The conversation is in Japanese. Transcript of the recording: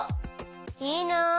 いいな！